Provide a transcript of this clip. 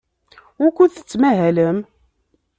Wukud tettmahalem?